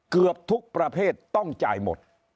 เกือบทุกประเภทต้องจ่ายหมด